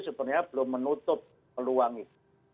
sebenarnya belum menutup peluang itu